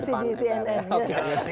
hasil diskusi di cnn